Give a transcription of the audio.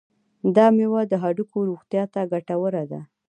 دا میوه د هډوکو روغتیا ته ګټوره ده.